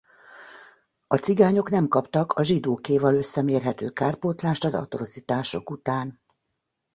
A cigányok nem kaptak a zsidókéval összemérhető kárpótlást az atrocitások után.